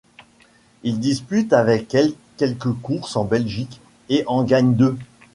Il dispute avec elle quelques courses en Belgique et en gagne deux.